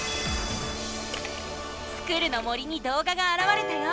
スクる！の森にどうががあらわれたよ！